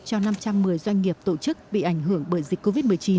cho năm trăm một mươi doanh nghiệp tổ chức bị ảnh hưởng bởi dịch covid một mươi chín